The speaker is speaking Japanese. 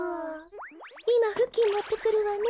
いまふきんもってくるわね。